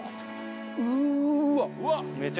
うーわっ！